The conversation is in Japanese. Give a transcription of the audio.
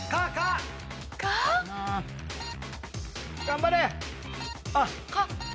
頑張れ！